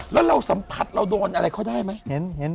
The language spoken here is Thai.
แล้วเราสัมผัสเราโดนอะไรเขาได้ไหม